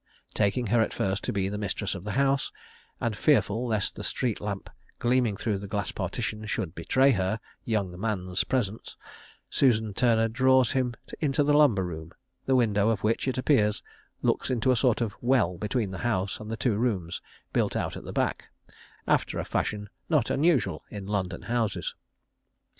Taking her at first to be the mistress of, the house, and fearful lest the street lamp gleaming through the glass partition should betray her "young man's" presence, Susan Turner draws him to the lumber room, the window of which, it appears, looks into a sort of well between the house and the two rooms built out at the back, after a fashion not unusual in London houses.